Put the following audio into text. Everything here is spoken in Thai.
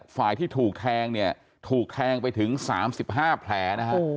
ฝ่ายที่ถูกแทงถูกแทงไปถึง๓๕แผล